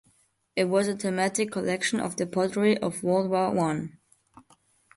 It was a thematic collection of the poetry of World War One.